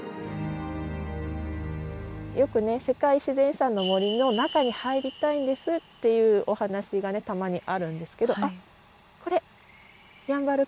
よくね世界自然遺産の森の中に入りたいんですっていうお話がたまにあるんですけど。